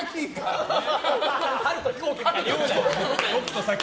春とヒコーキみたいに言うな。